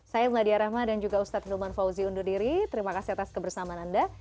saya mladia rahma dan juga ustadz hilman fauzi undur diri terima kasih atas kebersamaan anda